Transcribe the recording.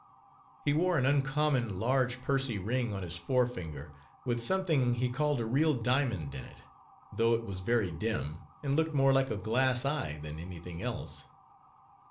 He wore an uncommon large pursy ring on his forefinger, with something he called a real diamond in it; though it was very dim, and looked more like a glass eye than any thing else.